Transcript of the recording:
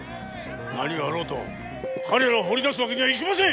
何があろうと彼らを放り出すわけにはいきません！